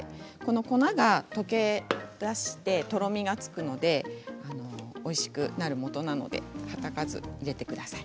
粉が溶け出してとろみがつきますのでおいしくなるもとですのではたかないで入れてください。